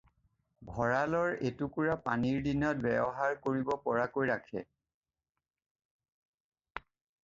ভঁৰালৰ এটুকুৰা পানীৰ দিনত ব্যৱহাৰ কৰিব পৰাকৈ ৰাখে।